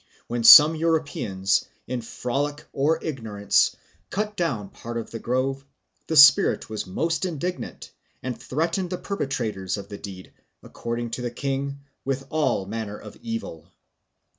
When some Europeans, in frolic or ignorance, cut down part of the grove, the spirit was most indignant and threatened the perpetrators of the deed, according to the king, with all manner of evil.